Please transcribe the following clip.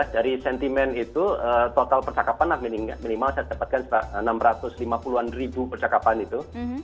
dari sentimen itu total percakapan minimal saya dapatkan enam ratus lima puluh an ribu percakapan itu